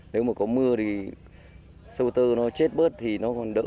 nếu mà có mưa thì sâu tơ nó chết bớt thì nó còn đỡ